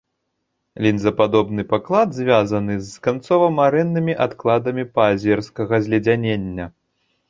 Лінзападобны паклад звязаны з канцова-марэннымі адкладамі паазерскага зледзянення.